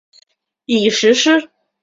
已实施。